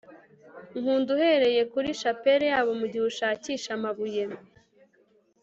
nkunda, uhereye kuri shapeli yabo mugihe ushakisha amabuye